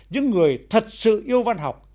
những người thật sự yêu văn học